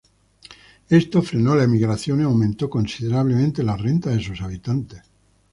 Esto frenó la emigración y aumentó considerablemente la renta de sus habitantes.